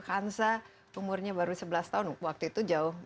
kansa umurnya baru sebelas tahun waktu itu jauh